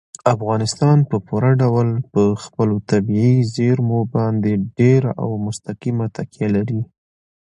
افغانستان په پوره ډول په خپلو طبیعي زیرمو باندې ډېره او مستقیمه تکیه لري.